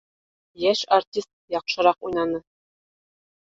Йәш артист яҡшыраҡ уйнаны